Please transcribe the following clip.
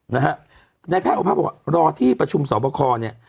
นะฮะในแผ้งพาบอกรอที่ประชุมสมบูรณ์คอเนี่ย